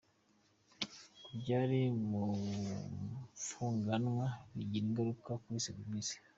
Kubyarira mu mfunganwa bigira ingaruka kuri serivise.